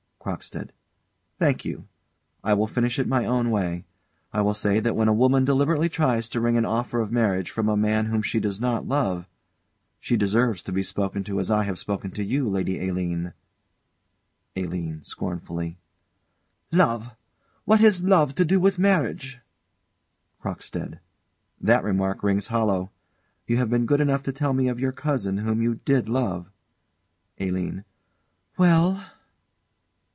CROCKSTEAD. Thank you. I will finish it my own way. I will say that when a woman deliberately tries to wring an offer of marriage from a man whom she does not love, she deserves to be spoken to as I have spoken to you, Lady Aline. ALINE. [Scornfully.] Love! What has love to do with marriage? CROCKSTEAD. That remark rings hollow. You have been good enough to tell me of your cousin, whom you did love ALINE. Well?